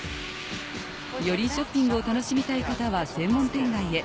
よりショッピングを楽しみたい方は専門店街へ。